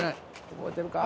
覚えてるぞ。